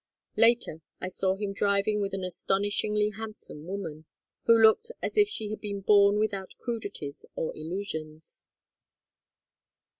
Later I saw him driving with an astonishingly handsome woman; who looked as if she had been born without crudities or illusions.